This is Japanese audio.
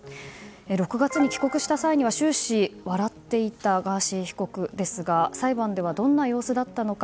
６月に帰国した際には終始、笑っていたガーシー被告ですが裁判ではどんな様子だったのか。